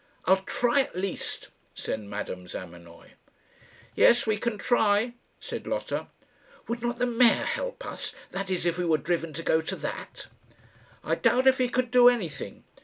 "I'll try, at least," said Madame Zamenoy. "Yes, we can try," said Lotta. "Would not the mayor help us that is, if we were driven to go to that?" "I doubt if he could do anything.